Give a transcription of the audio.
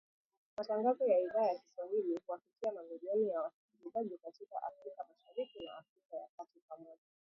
Matangazo ya Idhaa ya Kiswahili huwafikia mamilioni ya wasikilizaji katika Afrika Mashariki na Afrika ya kati Pamoja.